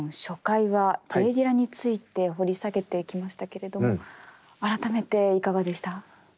初回はＪ・ディラについて掘り下げてきましたけれども改めていかがでした？